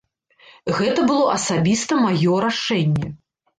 Гэта было асабіста маё рашэнне.